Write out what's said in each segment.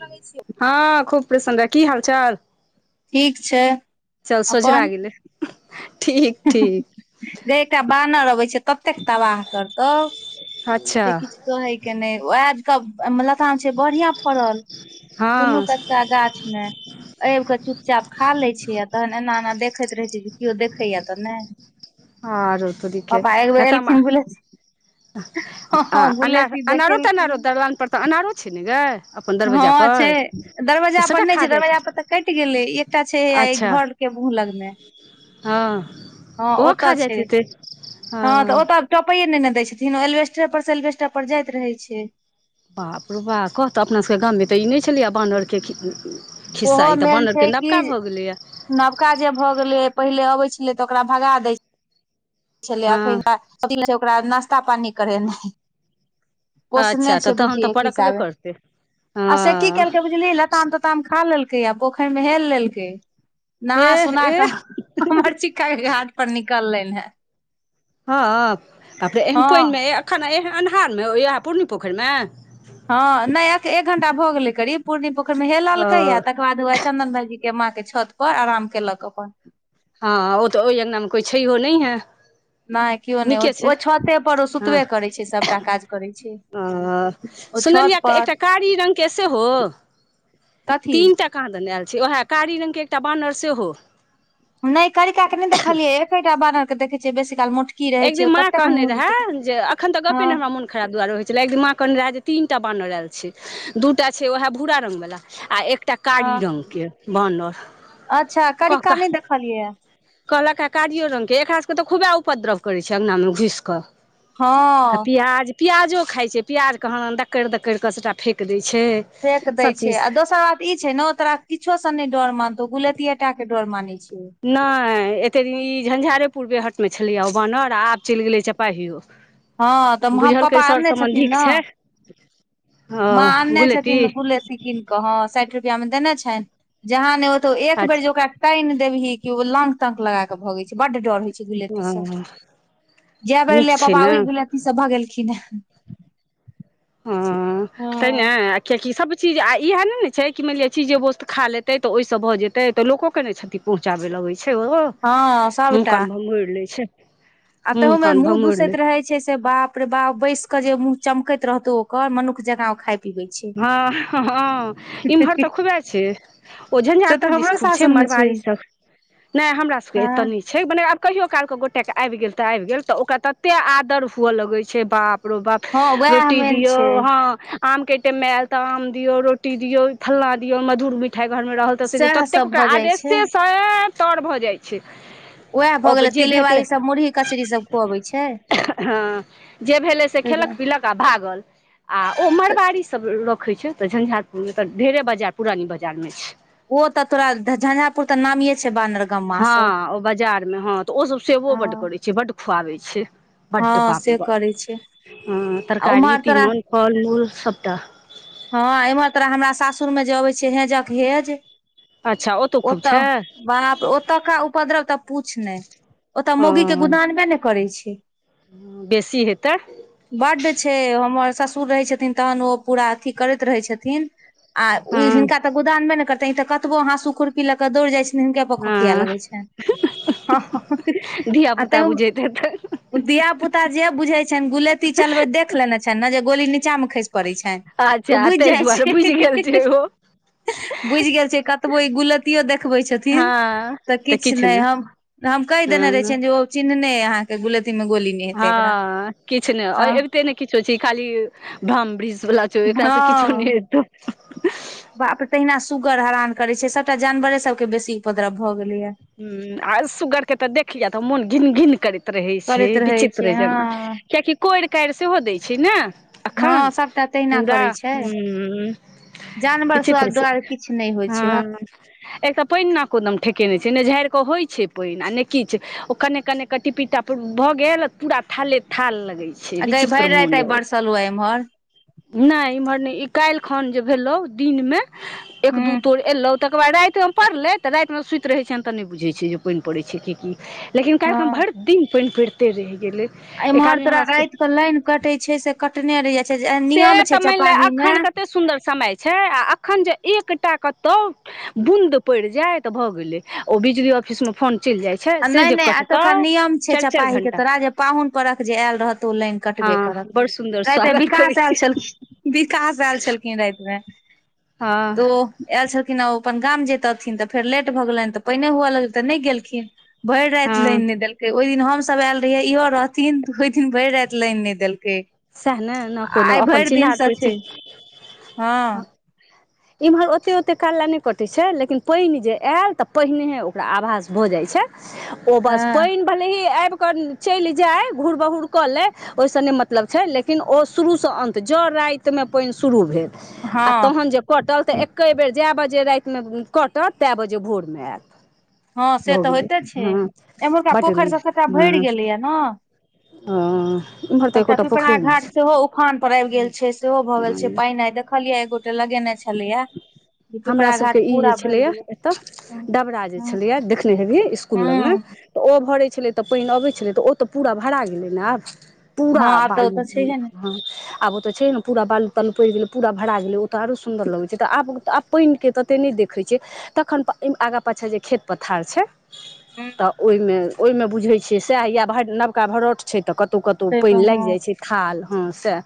लगै छियौ हँ खूब प्रसन्न रह की हाल चाल ठीक छै चल अपन सोझरा गेलै ठीक ठीक गै एकटा बानर अबै छै ततेक तबाह करतौ अच्छा जे किछु कहै के नहि आज कल लताम छै बढ़ियां फड़ल दुनू हँ कतका गाछमे आबि कऽ चुपचाप खा लै छै आ तहन एना एना देखैत रहै छै जे कियो देखैए तऽ नहि हँ आरौ तोरी के पापा एक बेेर लतामा एलखिन गुलेती हँ आ हँ अना गुलेती अनारो तनारो देखेलखिन दलान पर तऽ अनारो छै ने यै हँ छै दरवाजा पर सभटा नहि खा छै जाइत दरवाजा पर हेतै। तऽ कटि गेलै एकटा छै हैये एहि अच्छा घर के मूंह लग मे हँ हँ ओहो ओतऽ खा जाइत छै हेतै हँ तऽ ओतऽ टॉपैये नै ने दय छथिन एलवेस्टरे पर से एलवेस्टर पर जाइत रहे छै बाप रौ बा कहतऽ अपना सभके गाममे तऽ ई नहि छलैए बानरके खि खिस्सा ई तऽ बनरके नबका भऽ गेलैया नबका जे भऽ गेलैय पहिले अबै छलै तऽ ओकरा भगा दै छ छेलै आ हँ एखन बे ओकरा नास्ता पानी करेनाइ पोसने अच्छा तऽ छै तहन तऽ बुझियौ एक परकबे हिसाबे करतै आ से की हँ केलकै बुझलि लताम उताम खा लेलकै आ पोखरि मे हेल लेलकै नहा एह सोना एह कऽ हमर चिक्का ओहि घाट पर निकललनि हें हँ बापरे एहन पानिमे हँ मे ये एखन आ एहन अन्हारमे उएह पूर्नी पोखरिमे हँ नहि अक एक घंटा भऽ गेले करीब पुरनी पोखरि मे ओ हेललकै ये तकर बाद हौवे चन्दन भाइजी के माँ के छत पर आराम केलक अपन हँ ओतऽ ओहि अंगनामे कोइ छैहो नहिये नहि केओ नहि ओ छते पर ओ हँ सुतबे करै छै सबटा काज करै छै ओ ओ छत सुनलियै पर एकटा कारी रंग के सेहो [inaudible] तीन टा कहादन आयल छै ओएह कारी रंग के एकटा बानर सेहो नहि करिका के नहि देखलियै एकेटा बानर के देखै छियै बेसी काल मोट एकदिन माँ कहने रहे जे अखन तऽ गपे ने हमरा हँ मन खराब दुआरो होइ छलै एकदिन माँ कन रहै जे तीनटा बानहर आयल छै दूटा छै वैह भूरा रंग वला आ एक एकटा हँ कारी रंगगके बनल क क खालीयऐ कहलक ह कारियो रङंगगके एकरा सभके तऽ खुबे उपद्रव करैत छै अङ्गनामे घुसि कऽ हँ आ पियाज प्याजो खाइ छै पियाज कहादन दकरि दकिर कऽ सभटा फेेक दैत छै फेेक दै छै सभचीज आ दोसर बात ई छै ने ओ तोरा किछो से नहि डर मानतौ गुलैतिये टा के डर मानै छिय नहि एते दिन ई झंझारेपुर बेहटमे छलियै ओ बानर आब चलि गेलै चपाहियो हँ तऽ हम पापा बुझलकै सर आनने छथिन सम्बन्धिक ने छै ओ माँ आनने गुलेती छथिन गुलेती कीन कऽ ह साठि रुपआ मे देने छनि जहाँ ने ओतौ एक बेर जे अच्छा ओकरा कइन देलही ओ लंग तंंग लगा के भगे छै बड डर हय ओ जै बेर ऐलेया नीक छै पापा ने ओहि गुलती स भगेलखिन हे ह तइने आखि आखी सब चीज आर इह ने छै कि मानि लिअ चीज जे वोस्त खा लेतै तऽ ओहिसँ भऽ जेतै तऽ लोकोक के ने क्षति पहुँचाबै लगैत छै छै ओ हँ मुह कान भमोड़ लै छै आब तहु मुँह में कान मुंह भमौर ले दुसैत रहै छै छै से बाप रे बाप बैस के जे मुँह चमकैत रहतौ ओकर मनुख जेका खाय पीबै छै हँ हँ इमहर तऽ खुबे छै ओ से झंझारपुर तऽ दिस हमरो खूब छै सासुर मे मड़वाड़ी सब नहि हमरा सब के हँ एते न छै छै मने आब कहियओ कालके गोटेके आबि गेल तऽ आबि गेल तऽ ओकरा ततेक आदर हुअ लगै छै बाप बाप रो बाप हँ वएह रोटी मेन दियौ छै हँ आम के टेल ताम दियऔ रोटी दियऔ फल्ला दियऔ मधुर मिठा मिठाइ घरमे रहल तऽ स सएह ततेक सब ओकरा भऽ जाइ छै आदेशे सँ स तर भऽ जाइ छै वैह भऽ अबै गेलै जे तिले भेटलै बाड़ीसभ मुरही कचरी सब खुअबै छै हँ जे भेलै से तै दुआरे खेलक पीलक आ भागल आ ओ तऽ मरबाड़ी सब सब रखे छै तऽ झंझारपुर मे तऽ ढेरे बाजार पुरानी बाजार में ओ तऽ तोरा झंझारपुर तऽ नामीे छै बानरगमा स हँ ओ बाजार हँ तऽ ओ सब सेवो बड करै छै बड्ड खुआबै छै बड्ड हँ से बापरेबा करै छै आ तरकारी उम्हर तोरा तीमन फल मूल सबटा हाँ एमहर तोराह हमरा सासुर मे जे अबै छै हेजक हेज अच्छा ओतौ ओ खूब तऽ छै बाप ओतुका उपद्रव तऽ पूछ नहि ओतऽ ओ मौगी के गुदानबे ने करै छै बेसी हेतै बड्ड छै हमर ससुर रहै छथिन तहन ओ पूरा अथी करैत रहै छथिन आ हँ ओ हिनका त गोदानबे ने करते ई त कतबो हांसु पी ल कऽ दौड़ जाय छैन हुनका पर खोकिया हँ लगे छैन धिया पुता [unintelligible] बुझैत हेतै ओ धिया पुता जे बुझै छन गुलती चलबै देख देख लेने छन जे गोली नीचा मे खस पड़ै छैन तऽ ओ अच्छा बुझ ताहि जाइ दुआरे छै बुझि गेल छै ओ बुझ गेल छै कतबो ई गुलतियो देखबै हँ छथिन तऽ किछ किछु नहि ने हम हम कहि देने रहे हँ छियै जे ओ चिन्हने अहाँ के गुलतीी मे गोली नहि हेतै एकरा हाँ किछ ने हँ अबिते ने किछ छै खाली भ्रम वृष वला चो एकरा से किछु नहि हँ हैतौ बाप रे तहिना सुगर हरान करे छै सबटा जानवरे सबके बेसी उपद्रव भए गेलैया ह्म आ सुगरकेे तऽ देखिय तऽ मोन घिन गिन करै त रहै छै करैत रहै विचित्र छै जेना हँ कियकि कोरि कार सेहो दै छै ने अखन हँ सभटा तहिना पूरा करै छै ह्म जानवर सब विचित्र छै दुआरे किछु नहि होइ छै हाँ आ एक तऽ पानि नाको दम ठेकेने छै नहि झाड़ि कऽ होइ छै पानि आ नहि किछ ओ कन्ने कन्ने क टीपि टापुर भऽ गेल पूरा थाले थाल लगै छै आ गाय भर विचित्र मोन रात आई लगै बरसलू एम्हर नहि इम्हर नहि ई काल्हि खन जे भेलौ दिन मे एक दू हूँ तोर एलौ तकर बाद रातिमे पड़लै तऽ रातमे सुति रहै छैन तऽ नहि बुझै छै जे पानि पड़ै छै की की लेकिन कालि हँ खन भर दिन पानि पड़िते रहि गेलै एक एम्हर आदमी तोरा हमरा रात सबके के लाइन कटे छै से कटने रहय से तऽ मान लेअ एखन कते सुन्दर समय छै आ एखन जे एकटा कतउ बूंद पर जाय भऽ गेलै ओ बिजली ऑफिस मे फोन चल जाई आ नहि नहि एतुका नियम छै चारि चपाहीक के घंटा तोरा जे पाहुन परख जे आयल रहत त ओ लाइन कटबे करत बड सुन्दर राति स्वागत विकास करै आयल छी छलखिन विकास आयल छलखिन राति मे हँ तो आयल छलखिन आ ओ अपन गाम जैतथिन तऽ फेर लेट भऽ गेलन तऽ पाइने हुअ लगल तऽ नहि गेलखिन भर हँ राति लाइन नहि देलकै ओहि दिन हम सब आयल रहये इहो रहथिन ओहि दिन भर राइत लाइन नहि देलकै सएह ने न आ कोनो आई अपन भरि चिन्हार दिनसँ छै परिचित हाँ इम्हर ओते ओते काल ला ने कटे छै लेकिन पाइन जे आयल ते पहिनेेहे ओकरा आभास भ जाय छै [inaudible] ओ बस पाइन भले ही आइब कऽ चैल जाई घूर बहूर कऽ लै ओहिसँ नहि मतलब छै लेकिन ओ शुरूसँ अन्त जँ राइतमे पाइन शुरू भेल अ हँ तेहन जे कटल तऽ एके बेर जए बजे रातमे कटत तए बजे भोरमे एयत हाँ से तऽ होइते छै एम्हरका बड पोखर सब नीक कटा भइर हँ गेलैया ना हँ इम्हर तऽ सबटा एकोटा पिपरा पोखरि नहि घाट सेहो उफान पर आबि गेल छै सेहो भऽ गेल छै पानि नहि तऽ दैखैलियै आइ एक गोटा लगेने छलै या हमरा सबके ई जे छलेय एतऽ डबरा जे हँ छलेया देखने हेबी स्कुल लग मे हँ तऽ ओ भरै छलै तऽ पाइन अबै छलै तऽ ओ तऽ पूरा भरा गेलै ने आब पूरा आब तऽ ओ बालू तऽ छैहे ने आब ओ तऽ छै ने पूरा बालू तालू पड़ि गेलै पूरा भरा गेलै ओ तऽ आरो सुन्दर लगै छै तऽ आब तऽब पाशइनके तते नहि देखैत छियै तखन आगा पाछा जे खेत पथार छै हूँ तऽ ओहिमे ओहिमे बुझै छियै सएह या नबका भरोठ छै तऽ कतौ कतौ से तऽ पानि लागि हँ जाइ छै थाल हँ सैह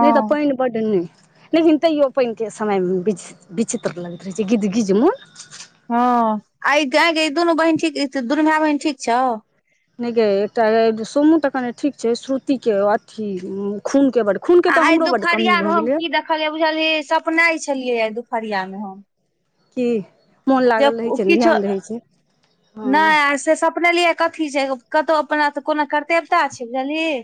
नहि तऽ पानि बढ लेकिन तैयो पाइनके समय मे विचित्र लगैत रहै छै गिद् गिज मे हँ आ ई गायके ई दुनू बहीन ठीक दुनू भाय बहीन ठीक छौ नहि एकटा सोमू तऽ कने ठीक छै श्रुति के अथी खून के बड़ खूनके तऽ हमरो बड्ड कमी भऽ गेलै खाली बुझले सपनाय छलियै दुपहरिया में हम कि मोन जे लागल रहै छै किछु ध्यान रहै छै [inaudible] हँ नहि आ से सपनलियै कथी छै कतहु अपना कोनो कर्तेवता छै बुझलियै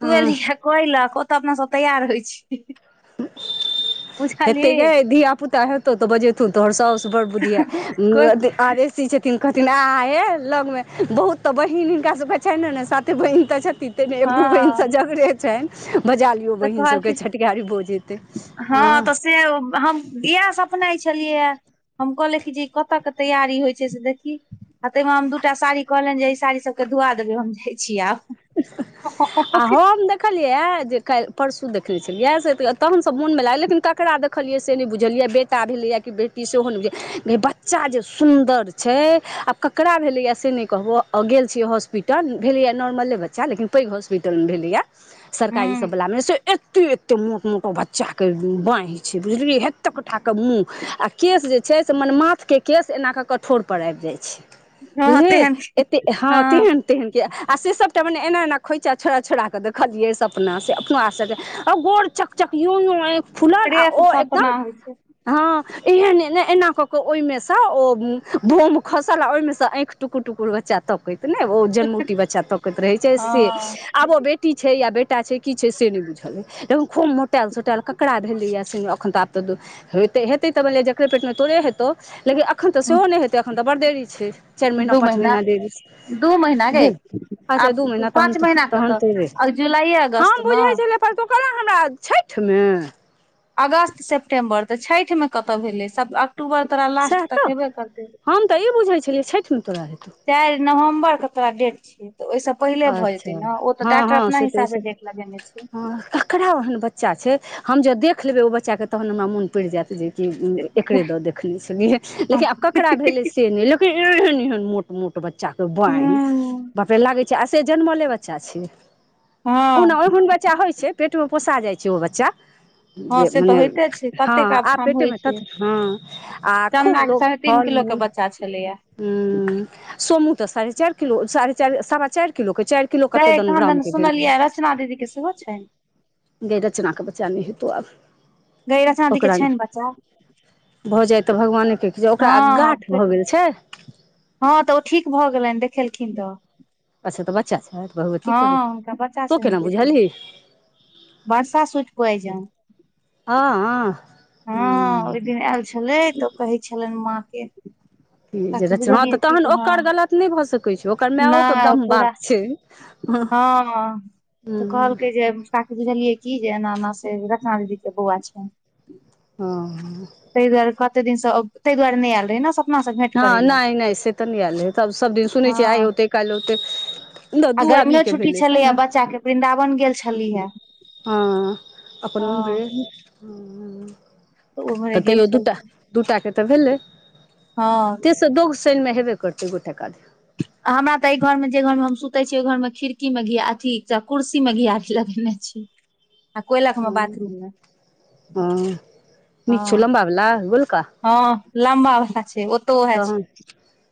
तु हँ एलहि कोई लक तऽ अपना सब तैयार होइ छिय [unintelligible] हेते गे धिय पुता हेतौ तऽ बजेतै तोहर सौस बड़ बुधि कोइ यारि सी छथिन कहथिन आ हे लगमे बहुत तऽ बहिन हिनका सबके छनि ने साते बहिन तऽ छथिन तते मे एक दु बहिन हँ सब झगड़े छनि बजा लियौ तऽ बहिन सबके कहलखिन छटहारी भोज हैतै हँ हाॅं तऽ से हम इहा सपनाइ छलियै हम कहलेये जे ई कतय के तैयारी होइ छै से देखी आ ताहिमे हम दू टा साड़ी कहलनि जे ई साड़ी सभकेँ धोआ देबै हम जाइत छीिय आब आ हम ने देखलिय जे क परसू देखलने छलियै से तहन सब मोन में लागल लेकिन ककरा द सिलियै से नहि बुझलियै बेटा भेलैएा कि बेटी सेहो नहि बुझल बच्चा जे सुन्दर छै आ ककरा भेलै या से नहि कहबो गेल छीियै हॉस्पिटल भेलेया नॉर्मल बच्चा लेकिन पैघ हॉस्पिटल भेलैएा सरकारी सब हूँ वला मे से एते एते मोट मोटो बच्चा के बाँहि छै बुझलिय एते कठ के मुँह आ केश जे छै से मनमाथके केश एना कऽ कठोर पर आबि जाइ छै हँ बुझलि तेहन एत हँ तेहन तेहन कि आ से सब मने एना एना खोइचा छोड़ा छोड़ के देखलियै से अपना से अपना आ के गोड़ चक चक आँख फुलल फ्रेश ओ एकदम सपना होइ छै हँ एहन ए ने एना कऽ कऽ ओहिमे सँ ओ बम खसल आ ओहिमे सँ आँखि टुकुर टुकुर बच्चा तकैत ने ओ जनमुटी बच्चा तकैत रहै छै से हँ आब ओ बेटी छै या बेटा छै की छै से नहि बुझल अइ एक खूब मोटल सोटल ककरा भेलैया एखन तऽ आब तऽ त हेतै तऽने जकरे पेटमे तोरे हेतौ लेकिन एखन तऽ सेहो नहि हेतै एखन तऽ बड़ देरी छै चारि महीना पाँच महीना देरी छै दू महिना के दू अच्छा आब दू महीना तहन पाँच तो महिीना क तहन तऽ तोरे आ जुलाइए अगस्त हम न बुझै छलियै पर तु कहला हमरा छठि मे अगस्त सेप्टेम्बर तऽ छठि मे कतय भेलै सब अक्टूबर तोरा लास्ट सएह तऽ तक हेबे करतै हम तऽ ई बुझै छलियै छठिमे तोरा हेतौ चारि नवम्बर के तोरा डेट छियै तऽ ओहिसभ पहिले भऽ जेतै अच्छा ने ओ तऽ हँ डॉक्टर हँ अपना से तऽ ई हिसाबे सब देख लगेने छै हँ ककरा ओहन बच्चा छै हम जँ देख लेबै ओहि बच्चाके तहन हमरा मोन पड़ि जायत जे एकरे दऽ देखनेे छलिय लेकिन आब ककरा भेलै से नहि लेकिन एहन एहन मो मोट बच्चाे बहि हूँ बापे लागे छै आ से जनमले बच्चा छै कोनो हँ एहोन बच्चा होइ छै पेटमे पोसा जाइ छै ओ बच्चा हँ जे से तऽ मने होइते छै हँ कतेक आब ठाम होइ पेटेमे त छै हँ आ चन्दा खूब के लोक साढ़े तीन फल किलो के मूल बच्चा छलैया ह सोमू तऽ साढ़े चारि किलो साढ़े चारि सारा चारि किलो के चारि किलो कते गय दन कहानन ग्रामके भेलै सुनलियै रचना दीदी के सेहो छनि गे रचना के बच्चा ने हेतो आब गै रचना दी के ओकरा छै बच्चा भऽ जाय तऽ भगवाने के ओकरा हँ गाठ पेट भऽ गेल छै हँ तऽ ओ ठीक भऽ गेलनि देखेलखिन तऽ अच्छा तऽ बच्चा छऽ भगव की करबै हँ हुनका बच्चा तू केना बुझलही बर्षा सुूट पोआइजान हँअ हँ ओहि दिन आयल छलै तऽ कहै छलनि माँ के क जे काकी र ह बुझलियै तऽ की तहन जे हँ ओकर गलत नहि भए सकै छै ओकर मायो के नहि ओ ब्रह्म पूरा बात छै हँ तऽ हँ कहलकै जे काकी दूझा लिय कि जे हम से रतना दीदी के बौ छै ह ता दुआरे केक दिनसँ तहि दुआरे नहि हालल हइै सब हँ नहि नहि से तऽ नहि आयले है तब सब दिन सुनै छै आइ हँ होते काल्हि होते आ गर्मियो छुट्टी छललै आ बच्चा के वृन्दावन गेल छलेया हँ अपन भेल तऽ उम्हरे गेल तैयो दूटा छलखिन दूटा के तऽ भेलै हँ ताहिसँ दोग शैनमे हेबे करतै गोटेक आधे हमरा तऽ एहि घर मे जे घर मे हम सुतै छी ओहि घर मे खिड़की मे घी अथी कुर्सी मे घी छै लगेने आ कोयलख मे बाथरूम मे हँ कि छै हँ लम्बा बाला कि गोलका हँ लम्बा वाला छै ओ तहन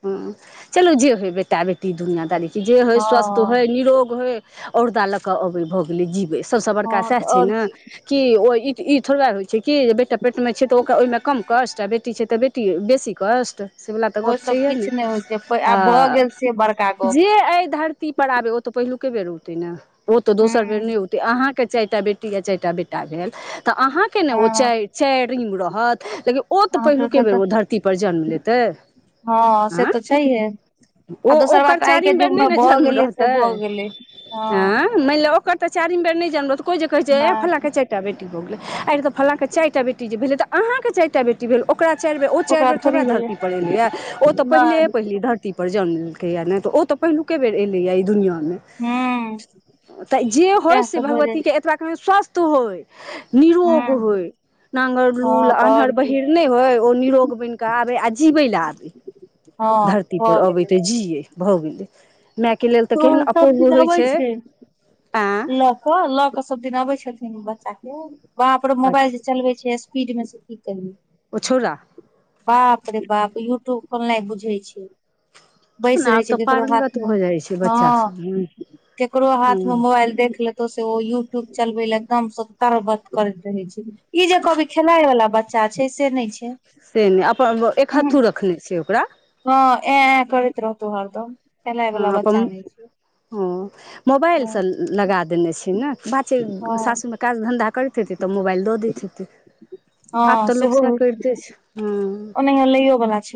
हँ चलू जे होइ बेटा बेटी दुनियां दारी कि जे होइ हँ स्वस्थ होइ निरोग होइ औरदा लऽ कऽ अबै भऽ गेलै जीबैसँ सबसँ बड़का हँ तऽ सएह छै और ने की कि ओ ई ई थोड़बे होइ छै कि जे बेटा पेटमे छै तऽ ओ ओहिमे कम कस्ट आ बेटी छै तऽ बेटी बेसी कस्ट से वला तऽ गप ओ सब छैहे ने किछ नहि होइ छै आब भऽ आ गेल से बड़का गप जे एहि धरती ती पर आबे ओ तऽ पहिलुके बेर औते ने ओ तऽ हूँ दोसर बेर नहि औते अहाँके चारिटा बेटी या चारिटा बेटा भेल तऽ अहाँके ने ओ हँ चारि चारिंग रहत लेकिन ओ तऽ अहाँ पहिलुके सबके बेर तऽ ओ धरती पर जन्म लेत हँ से तऽ छैहे ओ आ दोसर ओकर बात आइ के चारिम बेर युग मे नहि ने भऽ जन्म गेलै से रहतै भऽ गेलै हँ ऐं मानि लिय ओकर तऽ चारिम बेर नहि जान्म लेत कोइ जे कहे छै ऐं फल्ना नहि के चारि टा बेटी भऽ गेलै आंय यै तऽ फल्ना के चारि टा बेटी जे भेलै तऽ अहकेँ चारि टा बेटी भेल ओकरा चारि बेर ओ चारि ओकरा बेर थोड़बे थोड़ी भेलै धरती पड़ एलै ये ओ तऽ पहिले नहि पहिल पहिली धरती पर जन्म लेलकैएँ ने तऽ ओ तऽ पहिलुके बेर एलैए ई दुनियांमे हूँ तऽ जे होय सएह से सब भऽ जाइ भगवती के छै एतबा कहियौ स्वस्थ होय नरोग हूँ होइ नांगर लूल हँ तऽ आन्हर और की बहिर नै होय ओ निरोग बनि कऽ आबय आ जीबै लए आबै हँ धरती भऽ पर अबै गेलै तऽ जियै भऽ गेलै मे के लेल तऽ तो केहन सब अपूर्व दिन होइ छै ऐं तऽ लऽ के सब दिन अबै छथिन बच्चा के बाप रे मोबाइल अच्छा जे चलबे छै स्पीड स्पीड मे से की कहि उ छौड़ा बाप रे बाप यूट्यूब खोलनाइ बुझै छै बैस ने सकै आब छै तऽ ककरो पारंगत हाथमे भऽ जाइ छै बच्चा हँ सब हूँ केकरो हाथ मे हूँ मोबाइल देख लेत तै से ओ यूट्यूब चलबै ले एकदम सतर बत करैत रहय छै ई जे कहबै खेलाय वाला बच्चा छै से नहि छै से नहि अपन एक हत्थू रखने छै ओकरा हँ ऐं ऐं करैत रहतै हरदम हँ बला बच्चा अपन नै छै हँ मोबाइलसँ हँ लगा देने छै ने बात छै हँ सासुरमे काज धंधा करैत हेतै तऽ मोबाइल दऽ दैत हेतै आब हँ तऽ लोक सएह करिते छै हूँ ओनाहियो लैयो बला छै